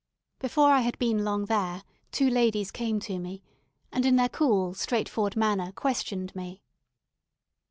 Before I had been long there, two ladies came to me, and in their cool, straightforward manner, questioned me.